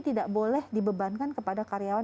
tidak boleh dibebankan kepada karyawan